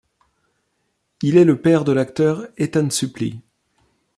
Il est le père de l'acteur Ethan Suplee.